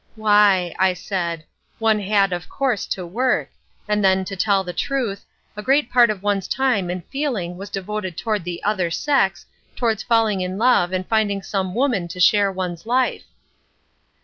"Why," I said, "one had, of course, to work, and then, to tell the truth, a great part of one's time and feeling was devoted toward the other sex, towards falling in love and finding some woman to share one's life."